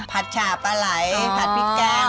ฉาปลาไหล่ผัดพริกแก้ว